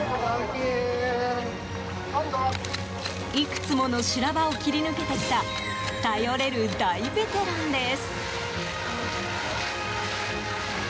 いくつもの修羅場を切り抜けてきた頼れる大ベテランです。